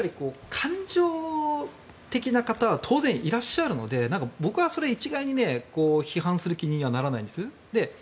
感情的な方は当然いらっしゃるので僕はそれを一概に批判する気にはならないんです。